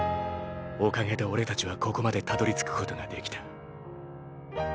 おかげで俺たちはここまでたどりつくことができた。